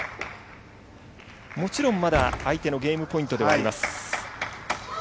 もちろんまだ相手のゲームポイントではあります。